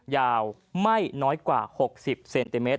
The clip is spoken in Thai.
ยาวไม่น้อยกว่า๖๐เซนติเมตร